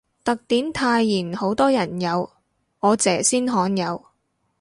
特典泰妍好多人有，我姐先罕有